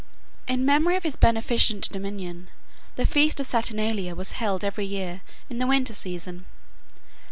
In memory of his beneficent dominion, the feast of Saturnalia was held every year in the winter season.